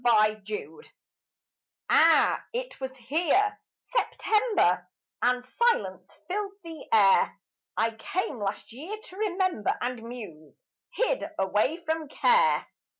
RETURN Ah, it was here September And silence filled the air I came last year to remember, And muse, hid away from care.